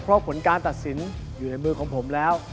เพราะผลการตัดสินอยู่ในมือของผมแล้ว